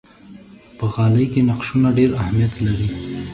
په غالۍ کې نقشونه ډېر اهمیت لري.